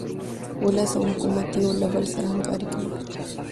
ولس او حکومت یو له بل سره همکاري کوي.